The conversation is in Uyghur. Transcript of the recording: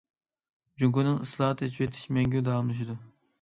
جۇڭگونىڭ ئىسلاھات، ئېچىۋېتىشى مەڭگۈ داۋاملىشىدۇ.